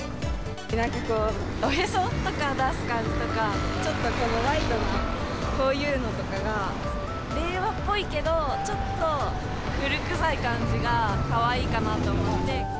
なんかこう、おへそとか出す感じとか、ちょっとこのワイドな、こういうのとかが、令和っぽいけど、ちょっと古くさい感じがかわいいかなと思って。